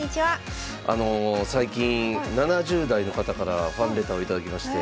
あの最近７０代の方からファンレターを頂きまして。